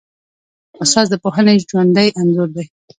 استاد د پوهنې ژوندی انځور دی.